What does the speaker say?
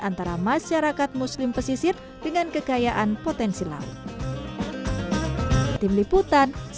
antara masyarakat muslim pesisir dengan kekayaan potensi laut